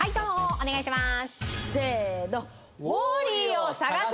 お願いします。